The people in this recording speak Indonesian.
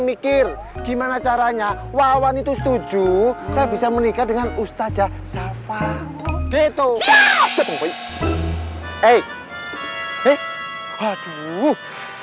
mikir gimana caranya wawan itu setuju saya bisa menikah dengan ustazah shafa gitu eh eh haduh